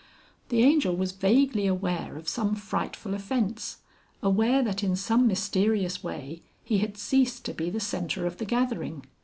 The Angel was vaguely aware of some frightful offence, aware that in some mysterious way he had ceased to be the centre of the gathering.